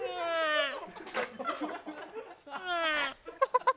ハハハハ！